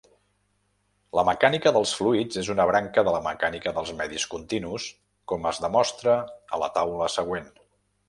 La mecànica dels fluids és una branca de la mecànica dels medis continus, com es demostra a la taula següent.